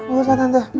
enggak usah tante